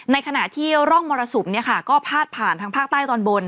ในขณะที่ร่องมรสุมก็พาดผ่านทางภาคใต้ตอนบน